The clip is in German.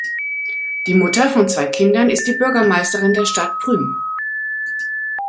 Die Mutter von zwei Kindern ist die Bürgermeisterin der Stadt Prüm.